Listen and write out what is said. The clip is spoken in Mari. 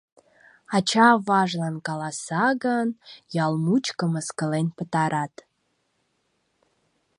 Ача-аважлан каласа гын, ял мучко мыскылен пытарат.